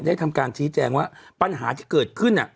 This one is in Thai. ทำการชี้แจงว่าปัญหาที่เกิดขึ้น